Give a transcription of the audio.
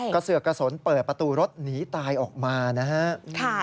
เสือกกระสนเปิดประตูรถหนีตายออกมานะฮะ